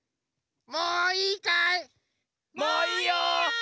もういいかい？